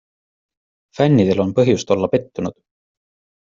Fännidel on põhjust olla pettunud.